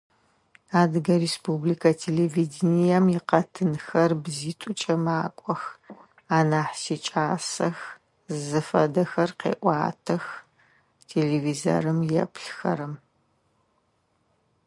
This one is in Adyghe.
Адыгэ республикэ телевидением икъэтынхэр бзитӀукӀэ макӀох, анахь сикӀасэх, зыфэдэхэр къеӀуатэх, телевизорым еплъыхэрэм.